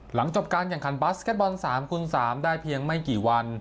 หลังจบการแข่งขันบาสเก็ตบอล๓คูณ๓ได้เพียงไม่กี่วัน